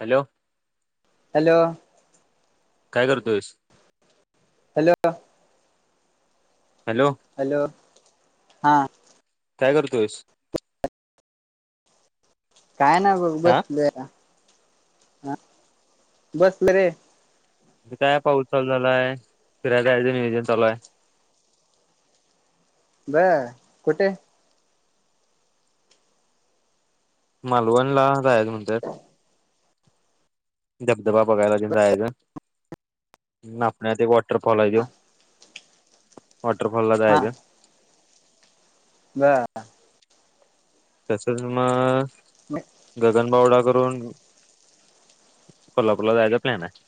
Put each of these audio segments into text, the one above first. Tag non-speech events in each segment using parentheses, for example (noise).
Hello! Hello! काय करतोयस? Hello! Hello! Hello! हा काय करतोयस? काय ना बगं हा बसलोया. आ, बसलोय काय पाऊस चालू झालाय, फिरायला जायचं नियोजन चालू हाय. बरं कुठे? मालवण ला जायचं नंतर धबधबा बघायला तेन जायचं. ना आपण वॉटरफॉल आहे ह्यो. वॉटरफॉल ला जायच बरं तसंच मग... मग गगन बावडा करून कोल्हापूरला जायचा प्लॅन आहे.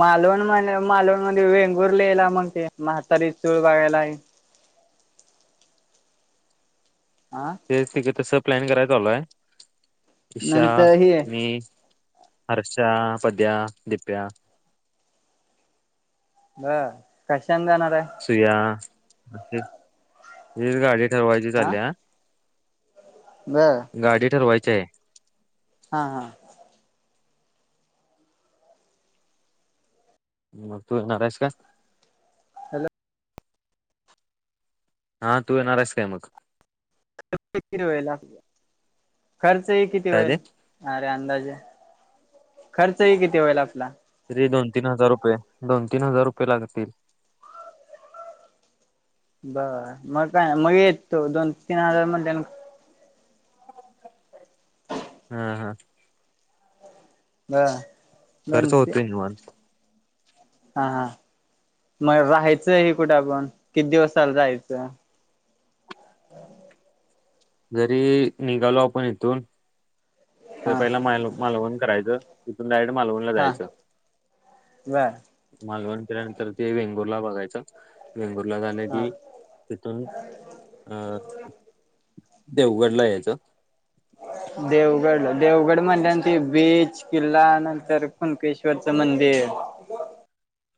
मालवण मण मालवण मध्ये वेंगूर लिला मग ते म्हातारी चूल बघायला आहे. आं! तेच तिके तस प्लॅन करायला चालू हाय. उषा, नंतर ही मी हर्ष्या, पद्या, दीप्या बरं, कश्यान जाणार हाय? सुया, (unintelligible) गाडी ठरवायची चाल्या. बरं. गाडी ठरवायची आहे. हां हां! मग तू येणारस्क्याय? हॅलो हा, तू येणार ह्यास काय मग? खर्च किती व्हायला? खर्च हे किती काय ते होईल? अरे अंदाजे खर्च ही किती होईल आपला? तरी दोन - तीन हजार रुपये. दोन - तीन हजार रुपये लागतील. बर, मग काय मग येतो दोन- तीन हजार हम हा! बरं! खर्च होतोय निवांत. हा, हा! मग राहायचं हे कुठे आपण? किती दिवसाला जायचं. जरी निघालो आपण इथून. तर हा पहिला माल मालवण करायचं तिथून डायरेक्ट मालवणला हा जायचं. बर मालवण केल्यानंतर ते वेंगुर्ला बघायच वेंगुर्ला झाले हा की तिथून अं देवगडला यायचं. देवगड, देवगड म्हणल्या ते बीच, किल्ला नंतर कुणकेश्वरचं मंदिर.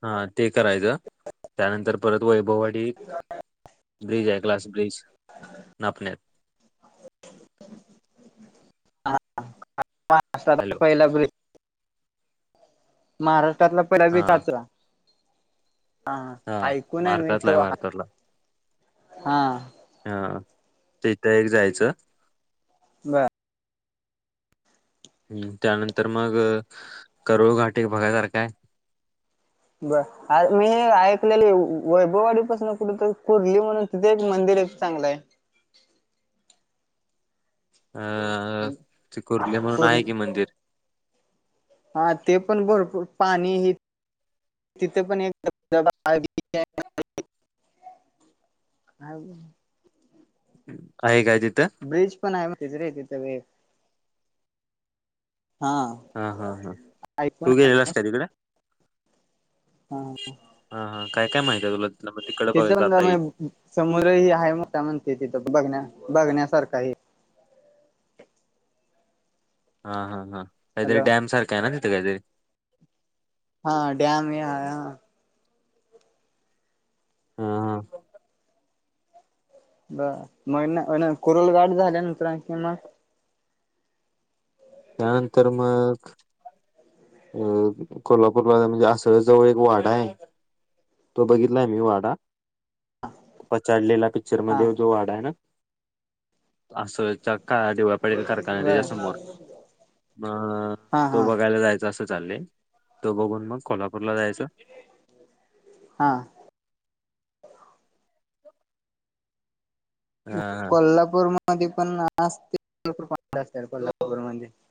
हा, ते करायचं त्यानंतर परत वैभववाडी ब्रिज आहे ग्लास ब्रिज नापण्यात. ष्ट हॅलो पहिला हा महाराष्ट्रातला (inaudible) हा ऐकून मी भारतातला तो आहे भारतातला हा हा तिथ एक जायचं ब हम्म त्यानंतर मग करुळ घाट एक बघायसारखा आहे बर आ मी ऐकलेली वैभववाडीपासून कुठतर कुर्ली म्हणून तिथे एक मंदिर आहे चांगलं आहे अ त कुर्ली म्हणून आहे की मंदिर हा ते पण भरपूर पाणी हि तिथ पण एकु (inaudible) (inaudible) आहे काय तिथं? ब्रिज पण आहेे तिथ वे हा हा हा हा ऐकून तू गेलेलास का तिकडे? हा हा हा काय काय माहित आहे तुला तिथलं तिकडे बघ तिथं जाता पण येईल म समुद्र ह आहे मोठा म्हणते तिथं बघण्या बघण्यासारख आहे हा हा हा काहीतरी हॅलो डॅम सारखं आहे ना तिथे काही तरी हा डॅम ये हा हा ब मग कुरलगावची झाल्या नंतर कि मग त्यानंतर मग अ कोल्हापूरला म्हणजे असं जवळ एक वाडा आहे तो बघितलाय मी वाडा पछाडलेला पिक्चर हा मध्ये जो वाडा आहे ना असं (inaudible) पडेल कारखाना त्याच्या बर समोर मग हा तो हा बघायला जायचा जसं चाललंय तो बघून मग कोल्हापूरला जायचं हा हा कोल्हापूरमध्ये पण असते कोल्हापूरमध्ये (unintelligible)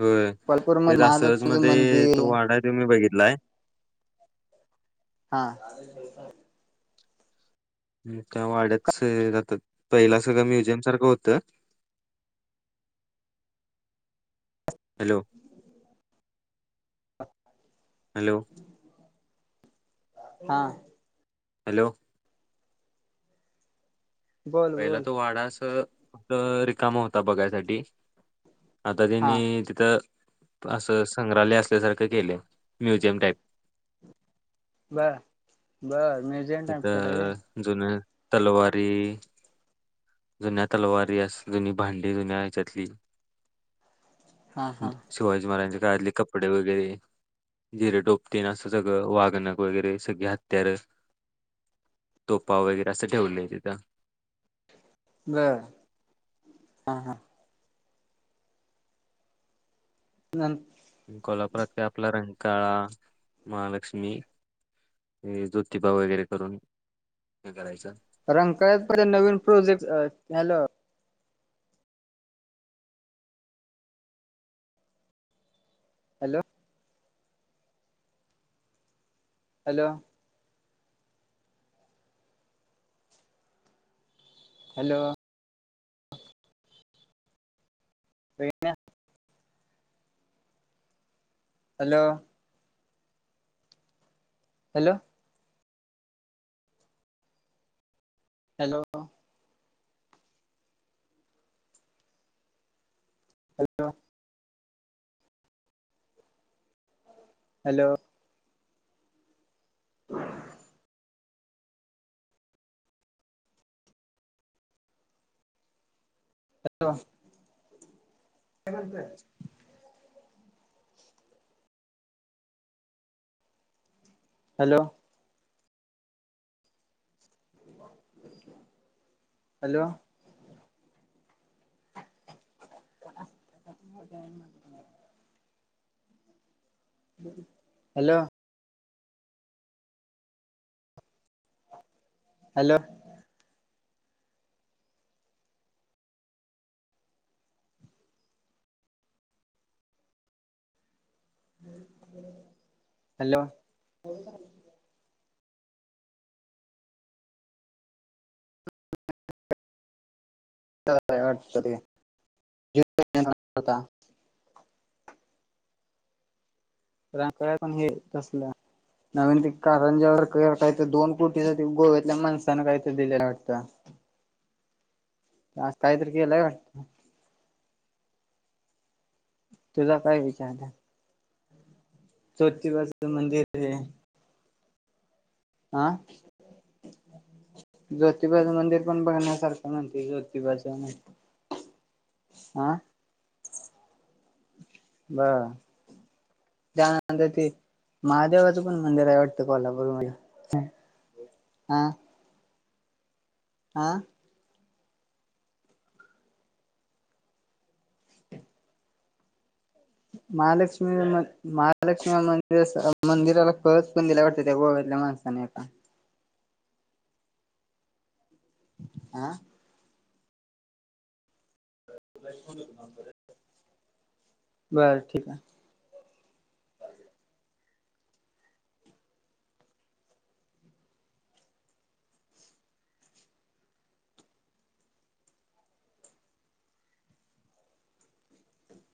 होय कोल्हापूर मध्ये तेच असचं महालक्ष्मीचं मध्ये मंदिर तो वाडा आहे तो मी बघितलाय हा हा त्या वाड्यात स राहतात पहिला सगळं म्युझियम सारखं होतं हॅलो हॅलो हा हॅलो बोल पहिला बोल तो वाडा अस रिकाम होता बघायसाठी आता तेनी हा तिथं असं संग्रहालय असल्यासारखं केलं म्युझियम टाईप बरं बरं मी तिथं जुन तलवारी जुन्या तलवारी असं जुनी भांडी जुन्या ह्याच्यातली हा हा शिवाजी महाराजांच्या काळतले कपडे वगैरे जिरेटोप तेन असं सगळं वाग नख वगैरे सगळी हत्यारे तोफा वगैरे असं ठेवलंय तिथं बरं हा हा. (unintelligible) कोल्हापुरात काय आपला रंकाळा, महालक्ष्मी हे जोतिबा वगैरे करून हे करायचं. रंकाळयात पहिले नवीन प्रोजेक्ट अ hello hello. Hello. Hello. (unintelligible) Hello. Hello. Hello. Hello. Hello. (inaudible) (unintelligible) काय म्हणताय? Hello. Hello. (inaudible) Hello. Hello. Hello. (inaudible) (unintelligible) वाटतं ते (unintelligible) रंकाळ्यात पण हे कसलं नवीन ते कारंज्यावर क काय तर दोन कोटी ते गोव्यातल्या माणसानं काय तर दिलेलं वाटतं? आज काय तरी केलं? तुझा काय विचार आहे? ज्योतिबाचा मंदिर आहे. आ? ज्योतिबाचं मंदिर पण बघण्यासारखं म्हणती ज्योतिबाचं. आ? हा. त्यानंतर ते महादेवाचं पण मंदिर आहे वाटतं कोल्हापूरमध्ये. हा. हा. महालक्ष्मी मं महालक्ष्मी मंदिर मंदिराला कळस पण दिल्या वाटतं त्या गोव्यातल्या माणसानी एका. आ? बर ठीक आहे.